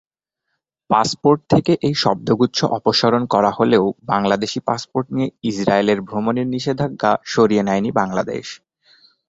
Passport থেকে এই শব্দগুচ্ছ অপসারণ করা হলেও বাংলাদেশি পাসপোর্ট নিয়ে ইসরায়েলে ভ্রমণের নিষেধাজ্ঞা সরিয়ে নেয়নি বাংলাদেশ।